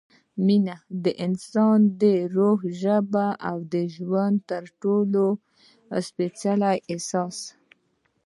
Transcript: مینه – د انسان د روح ژبه او د ژوند تر ټولو سپېڅلی احساس